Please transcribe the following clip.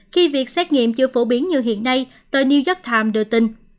khi việc xét nghiệm chưa phổ biến như hiện nay tờ new york times đưa tin